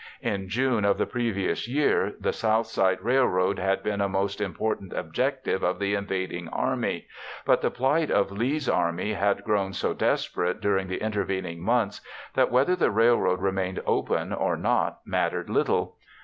In June of the previous year the Southside Railroad had been a most important objective of the invading army, but the plight of Lee's army had grown so desperate during the intervening months that whether the railroad remained open or not mattered little.